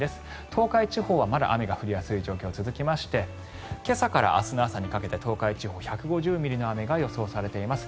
東海地方はまだ雨が降りやすい状況が続きまして今朝から明日の朝にかけて東海地方１５０ミリの雨が予想されています。